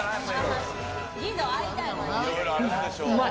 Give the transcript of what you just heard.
うまい！